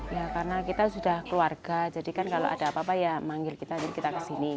ya karena kita sudah keluarga jadi kan kalau ada apa apa ya manggil kita jadi kita kesini